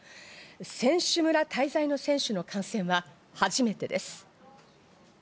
選手村滞在の選手の感染は初めてです。